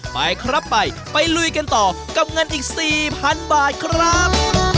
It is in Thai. ไปครับไปไปลุยกันต่อกับเงินอีก๔๐๐๐บาทครับ